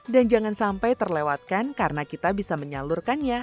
dan jangan sampai terlewatkan karena kita bisa menyalurkannya